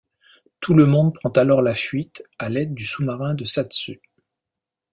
Tout le monde prend alors la fuite à l'aide du sous-marin de Satsu.